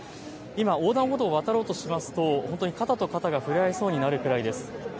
今、横断歩道を渡ろうとすると、肩と肩が触れ合いそうになるくらいです。